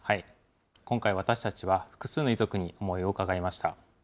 今回、私たちは複数の遺族に思いを伺いました。